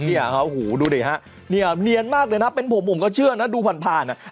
ดูดิฮะเนียนมากเลยนะเป็นผมก็เชื่อนะดูผ่าน